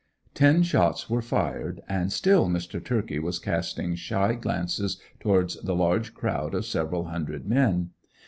Ten shots were fired and still Mr. turkey was casting shy glances towards the large crowd of several hundred men.